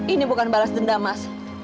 ini bukan balas denda mas